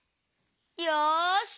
よし！